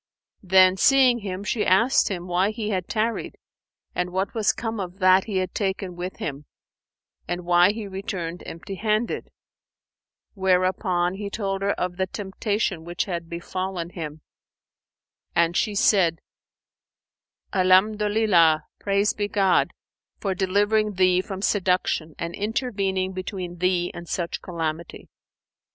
Then seeing him, she asked him why he had tarried and what was come of that he had taken with him and why he returned empty handed; whereupon he told her of the temptation which had befallen him, and she said, "Alhamdolillah—praised be God for delivering thee from seduction and intervening between thee and such calamity!"